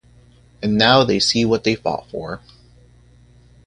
And now they see what they fought for.